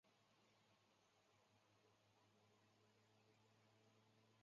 由负责运营管理。